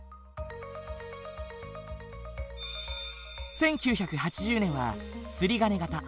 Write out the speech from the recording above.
１９８０年はつりがね型。